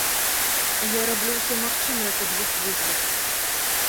Я раблю ўсё магчымае, каб іх вызваліць.